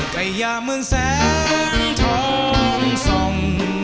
ใกล้ยามเมืองแสงท้องส่อง